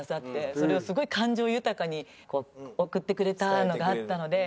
それをすごい感情豊かに送ってくれたのがあったので。